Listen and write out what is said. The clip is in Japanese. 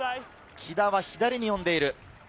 木田は左に呼んでいる。